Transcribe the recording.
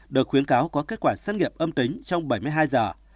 được khuyến cáo có kết quả sát nghiệp âm tính trong bảy mươi hai giờ